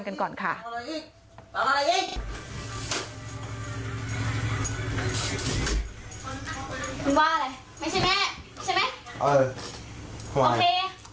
ตังค์อะไร